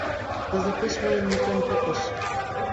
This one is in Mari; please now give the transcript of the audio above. Кызытеш мыйын мутем пытыш.